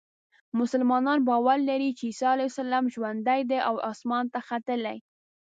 مسلمانان باور لري چې عیسی علیه السلام ژوندی دی او اسمان ته ختلی.